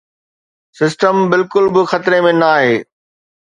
’System‘ بلڪل به خطري ۾ ناهي.